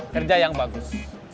kerja yang bagus